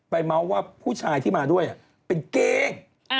เมาส์ว่าผู้ชายที่มาด้วยเป็นเก้ง